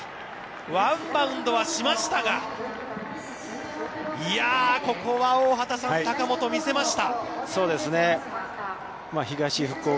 ワンバウンドはしましたがここは、大畑さん、高本、見せました。